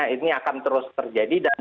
ini akan terus terjadi